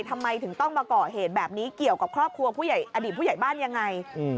ทำไมถึงต้องมาก่อเหตุแบบนี้เกี่ยวกับครอบครัวผู้ใหญ่อดีตผู้ใหญ่บ้านยังไง